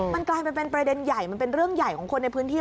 มันกลายเป็นประเด็นใหญ่มันเป็นเรื่องใหญ่ของคนในพื้นที่